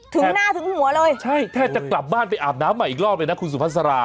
ถึงหน้าถึงหัวเลยใช่แทบจะกลับบ้านไปอาบน้ำใหม่อีกรอบเลยนะคุณสุภาษา